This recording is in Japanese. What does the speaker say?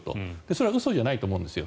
それは嘘じゃないと思うんですよ。